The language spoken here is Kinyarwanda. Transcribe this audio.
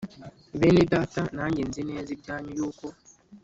Bene Data nanjye nzi neza ibyanyu yuko